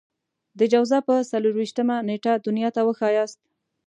د جوزا پر څلور وېشتمه نېټه دنيا ته وښاياست.